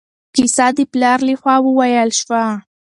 کیسه د پلار له خوا وویل شوه.